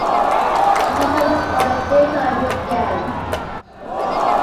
Kienzle was born in Detroit Michigan.